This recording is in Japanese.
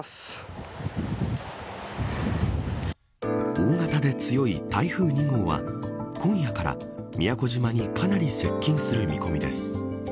大型で強い台風２号は今夜から宮古島にかなり接近する見込みです。